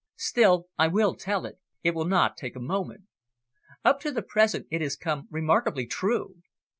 Still, I will tell it; it will not take a moment. Up to the present, it has come remarkably true.